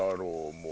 もう。